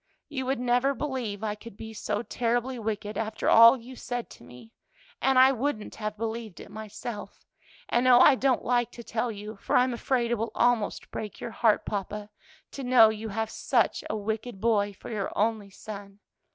You would never believe I could be so terribly wicked after all you said to me, and I wouldn't have believed it myself, and oh, I don't like to tell you, for I'm afraid it will almost break your heart, papa, to know you have such a wicked boy for your only son!